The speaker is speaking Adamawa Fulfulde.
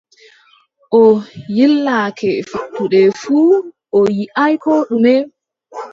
O yiilake fattude fuu, o yiʼaay koo ɗume!